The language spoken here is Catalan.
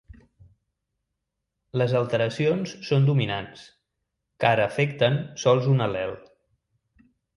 Les alteracions són dominants, car afecten sols un al·lel.